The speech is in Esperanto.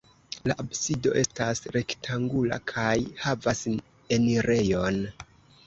La absido estas rektangula kaj havas enirejon.